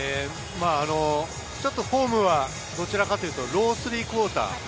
ちょっとフォームはどちらかというとロースリークオーター。